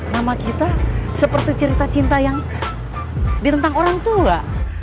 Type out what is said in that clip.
nama kita seperti cerita cinta yang ditentang orang tua